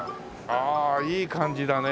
ああいい感じだね。